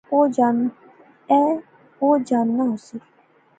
ایہہ او جاننا ہوسی